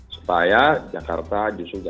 supaya jakarta yang datang ke jakarta